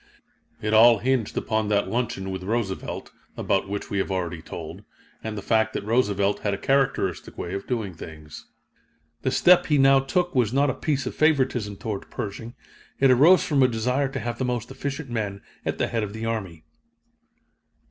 It all hinged upon that luncheon with Roosevelt, about which we have already told, and the fact that Roosevelt had a characteristic way of doing things. The step he now took was not a piece of favoritism toward Pershing it arose from a desire to have the most efficient men at the head of the army.